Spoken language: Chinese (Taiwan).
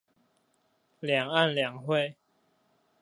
兩岸兩會